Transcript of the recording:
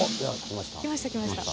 来ました来ました。